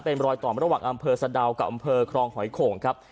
เป็นรอยต่อระหว่างอำเภอสะดาวกับอำเภอครองหอยโข่งครับ